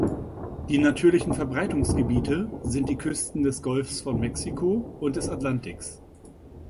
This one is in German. Die natürlichen Verbreitungsgebiete sind die Küsten des Golfs von Mexiko und des Atlantiks.